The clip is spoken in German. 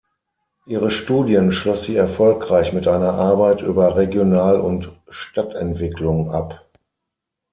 Ihre Studien schloss sie erfolgreich mit einer Arbeit über Regional- und Stadtentwicklung ab.